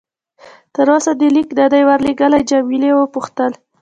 تر اوسه دې لیک نه دی ورلېږلی؟ جميله وپوښتل.